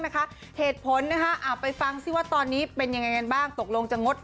หนังแบบคิวชนกันแบบไม่มีเวลาเลยจริง